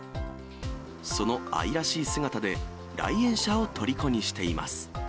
その愛らしい姿で、来園者をとりこにしています。